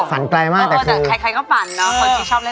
ฝันไกลมากแต่คือแต่ใครก็ฝันเนอะ